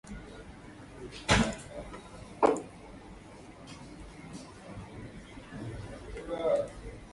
Their business is to divide the determiners into certain classes.